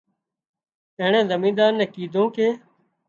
اينڻي زمينۮار نين ڪيڌوون ڪي